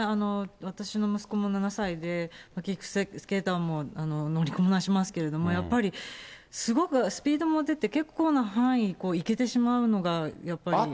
私の息子も７歳で、キックスケーターも乗りこなしますけれども、やっぱりすごくスピードも出て、結構な範囲、行けてしまうのが、やっぱり。